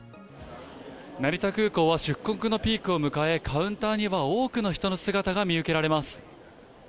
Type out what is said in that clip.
成田空港は出国のピークを迎え、カウンターには多くの人の姿が見受けられます。